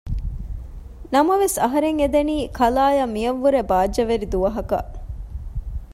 ނަމަވެސް އަހަރެން އެދެނީ ކަލާއަށް މިއަށްވުރެ ބާއްޖަވެރި ދުވަހަކަށް